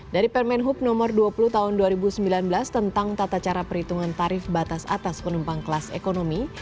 dari permen hub nomor dua puluh tahun dua ribu sembilan belas tentang tata cara perhitungan tarif batas atas penumpang kelas ekonomi